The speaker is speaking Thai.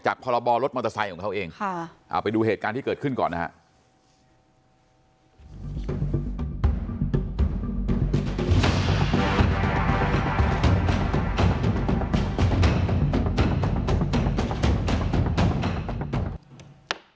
จากพรบรรดิรถมอเตอร์ไซค์ของเขาเองค่ะเอาไปดูเหตุการณ์ที่เกิดขึ้นก่อนนะฮะ